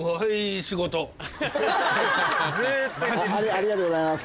ありがとうございます。